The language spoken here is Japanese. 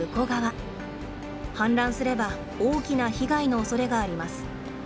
氾濫すれば大きな被害のおそれがあります。